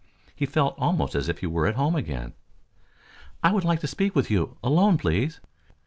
He felt almost as if he were at home again. "I would like to speak with you, alone, please."